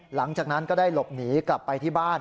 หลังจากนั้นก็ได้หลบหนีกลับไปที่บ้าน